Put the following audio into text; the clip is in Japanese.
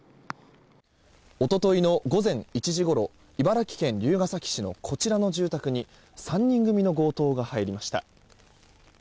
一昨日の午前１時ごろ茨城県龍ケ崎市のこちらの住宅に３人組の強盗が入りました。